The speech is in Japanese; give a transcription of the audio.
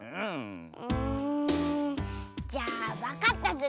うんじゃあわかったズル。